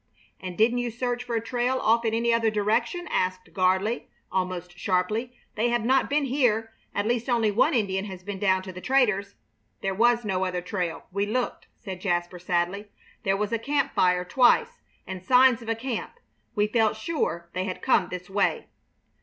"And didn't you search for a trail off in any other direction?" asked Gardley, almost sharply. "They have not been here. At least only one Indian has been down to the trader's." "There was no other trail. We looked," said Jasper, sadly. "There was a camp fire twice, and signs of a camp. We felt sure they had come this way."